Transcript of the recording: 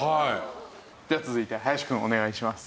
では続いて林くんお願いします。